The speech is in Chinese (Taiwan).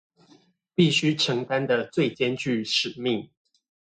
必須承擔的最艱鉅使命